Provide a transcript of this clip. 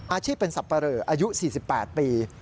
อาชีพเป็นสับปะเหลออายุ๔๘ปี